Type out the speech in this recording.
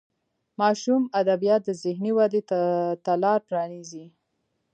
ماشوم ادبیات د ذهني ودې ته لار پرانیزي.